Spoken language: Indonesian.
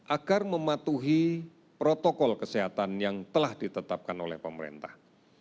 agar mematuhi protokol kesehatan yang telah ditetapkan oleh pemerintah